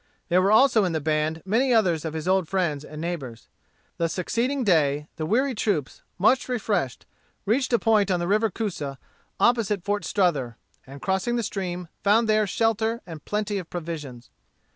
There were also in the band many others of his old friends and neighbors. The succeeding day, the weary troops, much refreshed, reached a point on the River Coosa opposite Fort Strother, and crossing the stream, found there shelter and plenty of provisions.